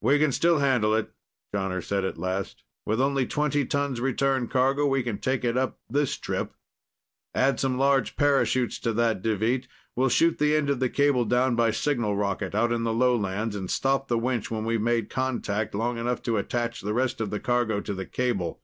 "We can still handle it," Jonner said at last. "With only twenty tons return cargo, we can take it up this trip. Add some large parachutes to that, Deveet. We'll shoot the end of the cable down by signal rocket, out in the lowlands, and stop the winch when we've made contact, long enough to attach the rest of the cargo to the cable.